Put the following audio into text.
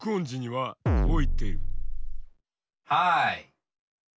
「はい」。